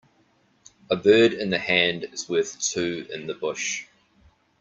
A bird in the hand is worth two in the bush.